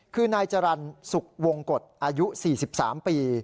คือนายจรรย์สุขวงกฎอายุ๔๓ปี